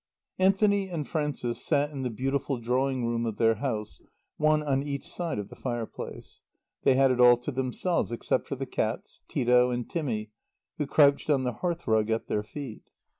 Anthony and Frances sat in the beautiful drawing room of their house, one on each side of the fireplace. They had it all to themselves, except for the cats, Tito and Timmy, who crouched on the hearthrug at their feet.